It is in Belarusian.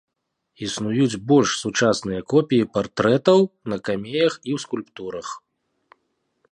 Існуюць больш сучасныя копіі партрэтаў на камеях і ў скульптурах.